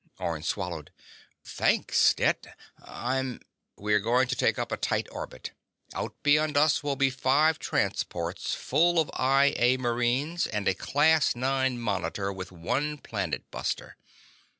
Orne swallowed. "Thanks, Stet. I'm—" "We're going to take up a tight orbit. Out beyond us will be five transports full of I A marines and a Class IX Monitor with one planet buster.